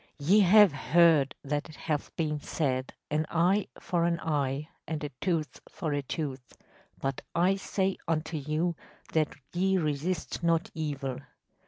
“Ye have heard that it hath been said, an eye for an eye and a tooth for a tooth: but I say unto you, That ye resist not evil.